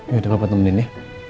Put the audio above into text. yaudah papa temen ini